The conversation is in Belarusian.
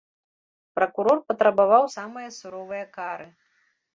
Пракурор патрабаваў самае суровае кары.